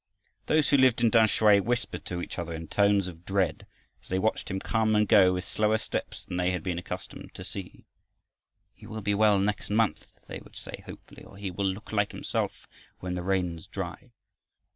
Those who lived in Tamsui whispered to each other in tones of dread, as they watched him come and go with slower steps than they had been accustomed to see. "He will be well next month," they would say hopefully, or, "He will look like himself when the rains dry."